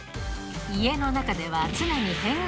家の中では常に